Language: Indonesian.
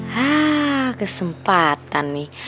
haa kesempatan nih